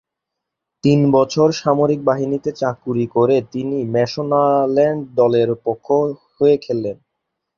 তিন বছর সামরিক বাহিনীতে চাকুরী করে তিনি ম্যাশোনাল্যান্ড দলের পক্ষ হয়ে খেললেন।